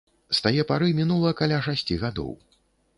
З тае пары мінула каля шасці гадоў.